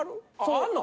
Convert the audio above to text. ああんの？